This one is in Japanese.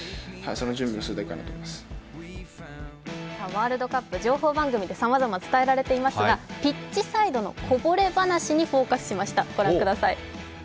ワールドカップ、情報番組でさまざま伝えられていますが、ピッチサイドのこぼれ話にフォーカスしました。